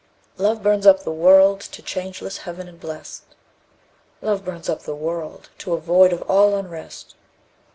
Love burns up the world to changeless heaven and blest, "Love burns up the world to a void of all unrest."